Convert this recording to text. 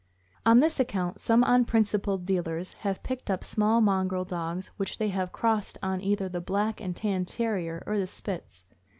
On this account, some unprincipled deal ers have picked up small mongrel dogs which they have crossed on either the Black and Tan Terrier or the Spitz.